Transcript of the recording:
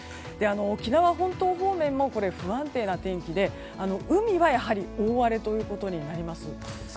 沖縄本島方面も不安定な天気で海はやはり大荒れとなります。